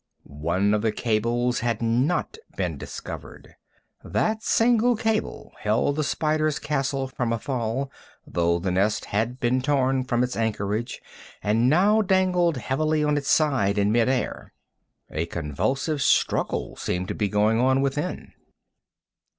One of the cables had not been discovered. That single cable held the spider's castle from a fall, though the nest had been torn from its anchorage, and now dangled heavily on its side in mid air. A convulsive struggle seemed to be going on within.